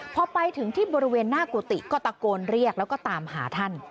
พอไปถึงที่บริเวณหน้ากุฏิก็ตะโกนเรียกแล้วก็ตามหาท่าน